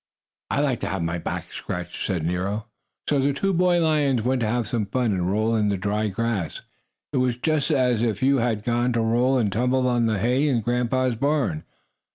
"I like to have my back scratched," said Nero. So the two boy lions went to have some fun and roll in the dried grass. It was just as if you had gone to roll and tumble on the hay in Grandpa's barn.